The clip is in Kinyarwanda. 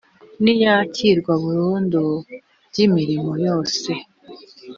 n iyakirwa burundu ry imirimo yose